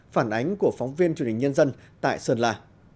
phản ánh của phóng viên truyền hình nhân dân tại sơn la